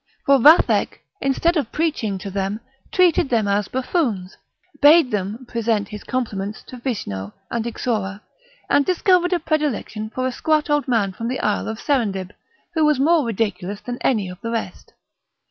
for Vathek, instead of preaching to them, treated them as buffoons, bade them present his compliments to Visnow and Ixhora, and discovered a predilection for a squat old man from the isle of Serendib, who was more ridiculous than any of the rest.